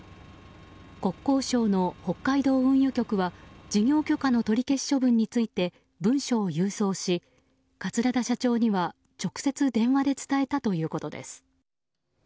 国交省の北海道運輸局は事業許可の取り消し処分について文書を郵送し桂田社長には直接電話で伝えたということです。